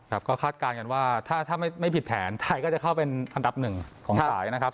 ครับก็คาดการณ์กันว่าถ้าไม่ผิดแผนไทยก็จะเข้าเป็นอันดับหนึ่งของสายนะครับ